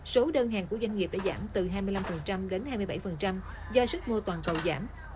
số đơn hàng của doanh nghiệp đã giảm từ hai mươi năm đến hai mươi bảy do sức mua toàn cầu giảm